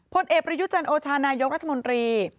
พลเอกประยุจันโอชานายกรัฐมนตรี